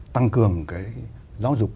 tăng cường cái giáo dục